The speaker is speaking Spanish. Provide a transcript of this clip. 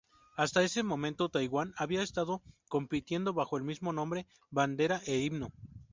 Hasta ese momento Taiwán había estado compitiendo bajo el mismo nombre, bandera e himno.